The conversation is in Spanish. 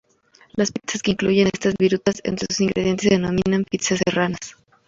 Las pizzas que incluyen estas virutas entre sus ingredientes se denominan "pizzas serranas".